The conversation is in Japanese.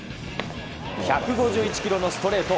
１５１キロのストレート。